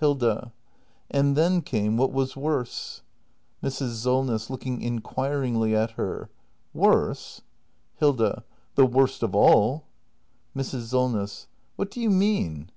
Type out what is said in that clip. Hilda. And then came what was worse. Mrs. Solness. [Looking inquiringly at Jier.] Worse? Hilda. The worst of all. Mrs. Solness. What do you mean